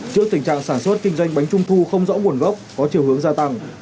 trước tình trạng sản xuất kinh doanh bánh trung thu không rõ nguồn gốc có chiều hướng gia tăng